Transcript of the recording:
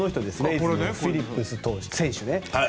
フィリップス選手。